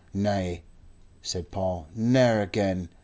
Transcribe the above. "Nay," said Paul. "Never agen.